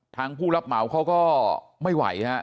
ทางผู้รับเหมาเขาก็ไม่ไหวนะครับ